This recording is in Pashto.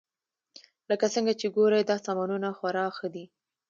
لکه څنګه چې ګورئ دا سامانونه خورا ښه دي